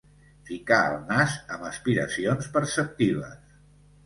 Ficar el nas amb aspiracions perceptives.